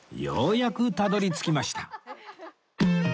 ようやくたどり着きました